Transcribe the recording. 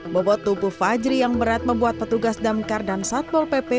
bobot tubuh fajri yang berat membuat petugas damkar dan satpol pp